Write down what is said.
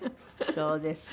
そうですか。